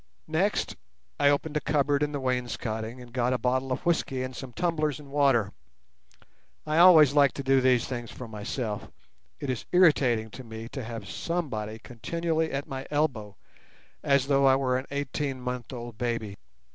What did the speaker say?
Next, I opened a cupboard in the wainscoting and got a bottle of whisky and some tumblers and water. I always like to do these things for myself: it is irritating to me to have somebody continually at my elbow, as though I were an eighteen month old baby.